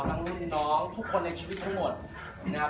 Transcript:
ลูกพี่น้องทุกคนในชีวิตทั้งหมดนะครับ